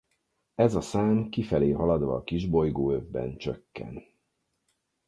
Ez a szám kifelé haladva a kisbolygó övben csökken.